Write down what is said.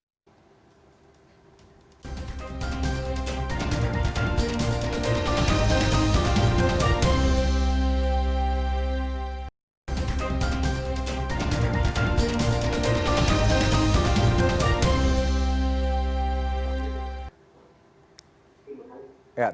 dijawab nanti usai jeddah cnn indonesia prime news kerajaan